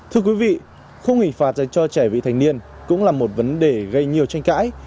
thưa quý vị khung hình phạt dành cho trẻ vị thành niên cũng là một vấn đề gây nhiều tranh cãi